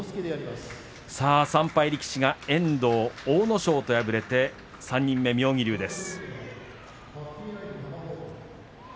さあ３敗力士が遠藤、阿武咲と敗れて３人目、妙義龍です。